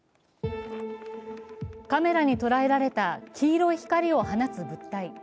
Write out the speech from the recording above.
カメラに捉えられた黄色い光を放つ物体。